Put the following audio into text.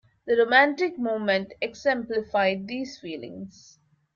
The Romantic movement exemplified these feelings.